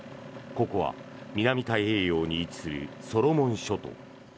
ここは南太平洋に位置するソロモン諸島。